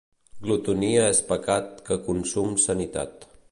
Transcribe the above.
Glotonia és pecat que consum sanitat.